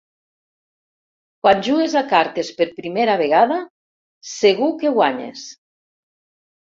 Quan jugues a cartes per primera vegada, segur que guanyes.